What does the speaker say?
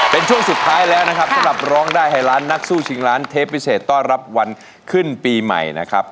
เป็นช่วงสุดท้ายแล้วนะครับสำหรับร้องได้ให้ล้านนักสู้ชิงล้านเทปพิเศษต้อนรับวันขึ้นปีใหม่นะครับ